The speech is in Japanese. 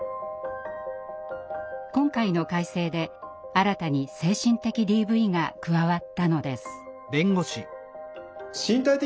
今回の改正で新たに精神的ＤＶが加わったのです。